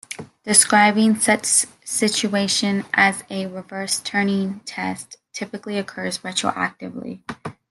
Describing such a situation as a "reverse Turing test" typically occurs retroactively.